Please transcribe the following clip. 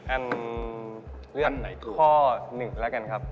อันเลือกข้อหนึ่งแล้วกันครับ